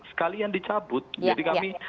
sekalian dicabut jadi kami